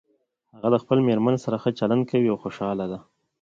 هغه د خپلې مېرمنې سره ښه چلند کوي او خوشحاله ده